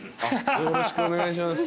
よろしくお願いします